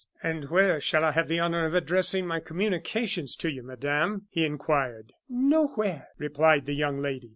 "And where shall I have the honor of addressing my communications to you, Madame?" he inquired. "Nowhere," replied the young lady.